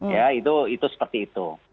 ya itu seperti itu